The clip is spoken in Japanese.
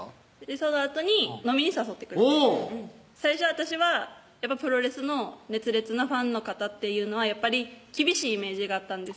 そのあとに飲みに誘ってくれて最初私はプロレスの熱烈なファンの方っていうのは厳しいイメージがあったんです